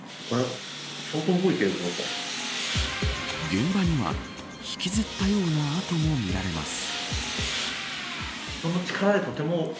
現場には引きずったような跡もみられます。